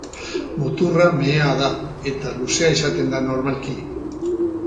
Muturra mehea da eta luzea izaten da normalki.